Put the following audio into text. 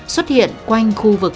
xuất hiện quanh khu vực